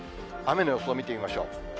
雨の予想を見てみましょう。